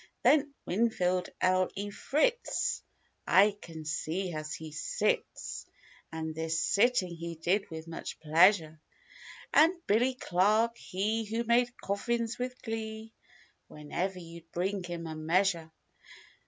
Then Winfield Ellifrits—I can see as he sits. And this sitting he did with much pleasure. And Billy Clark, he, who made coffins with glee. Whenever you'd bring him "a measure."